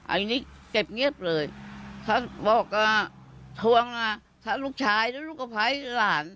อันนี้เก็บเงียบเลยเขาบอกว่าทวงนะถ้าลูกชายหรือลูกสะพ้ายหลาน